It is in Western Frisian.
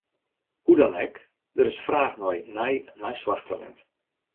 Hoe dan ek, der is fraach nei nij neisoarchtalint.